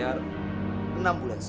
apa cuma ke miniernya